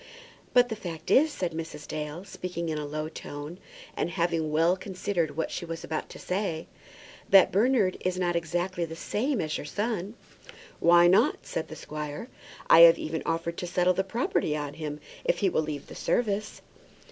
"But the fact is," said Mrs. Dale, speaking in a low tone, and having well considered what she was about to say, "that Bernard is not exactly the same as your son." "Why not?" said the squire. "I have even offered to settle the property on him if he will leave the service."